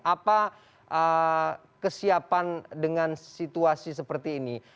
apa kesiapan dengan situasi seperti ini